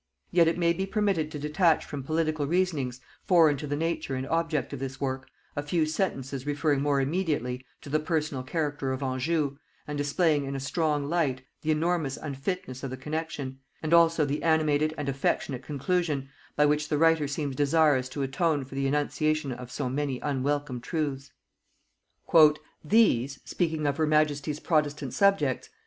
Yet it may be permitted to detach from political reasonings, foreign to the nature and object of this work, a few sentences referring more immediately to the personal character of Anjou, and displaying in a strong light the enormous unfitness of the connexion; and also the animated and affectionate conclusion by which the writer seems desirous to atone for the enunciation of so many unwelcome truths. "These," speaking of her majesty's protestant subjects...